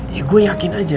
ya gue yakin aja